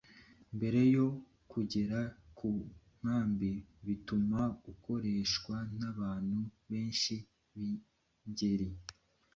mbere yo kugera ku nkambi bituma ukoreshwa n’abantu benshi b’ingeri